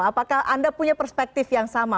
apakah anda punya perspektif yang sama